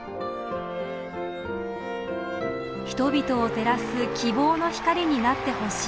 人々を照らす希望の光になってほしい。